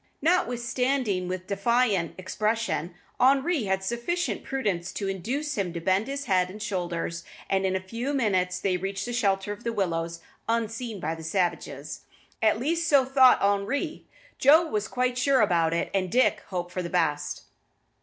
Notwithstanding his defiant expression, Henri had sufficient prudence to induce him to bend his head and shoulders, and in a few minutes they reached the shelter of the willows unseen by the savages. At least so thought Henri, Joe was not quite sure about it, and Dick hoped for the best.